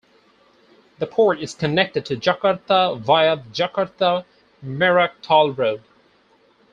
The port is connected to Jakarta via the Jakarta-Merak Toll Road.